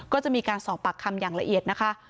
ก็จะมีการสอบปากคำอย่างละเอียดนะคะ